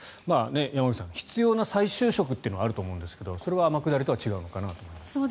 山口さん必要な再就職というのはあると思うんですけどそれは天下りとは違うのかなと思います。